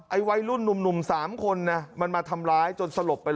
วัยรุ่นหนุ่ม๓คนนะมันมาทำร้ายจนสลบไปเลย